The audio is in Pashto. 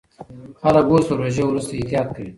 خلک اوس له روژې وروسته احتیاط کوي.